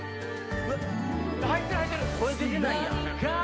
入ってる入ってる！声出てないやん。